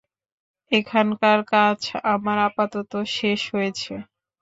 এখানকার কাজ আমার আপাতত শেষ হয়েছে।